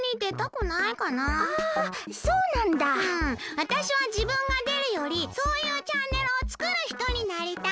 わたしはじぶんがでるよりそういうチャンネルをつくるひとになりたい。